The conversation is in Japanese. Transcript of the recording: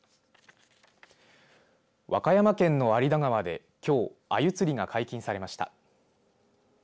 和歌山県の有田川できょう、あゆ釣りが解禁されました。